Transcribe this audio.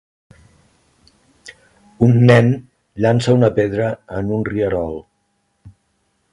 Un nen llança una pedra en un rierol.